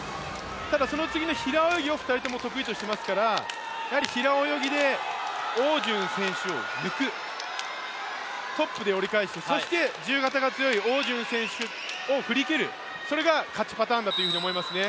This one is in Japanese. ただその次の平泳ぎを２人とも得意としていますからやはり平泳ぎで汪順選手を抜く、トップで折り返しそして自由形が強い汪順選手を振り切るそれが勝ちパターンだと思いますね。